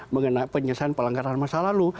mengenai penyelesaian pelanggaran ham yang masa lalu